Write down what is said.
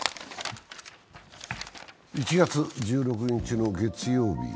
１月１６日の月曜日。